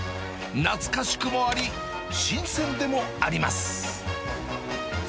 懐かしくもあり、新鮮でもあります。